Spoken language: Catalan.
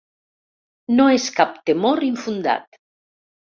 No és cap temor infundat.